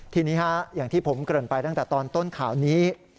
ทีนี้อย่างที่ผมเกริ่นไปตั้งแต่ตอนต้นข่าวนี้